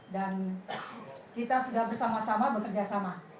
kita sudah bersama sama bekerja sama